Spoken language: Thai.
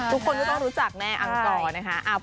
ทุกคนก็ต้องรู้จักแน่อังกรนะคะ